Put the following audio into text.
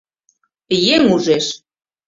— Еҥ ужеш.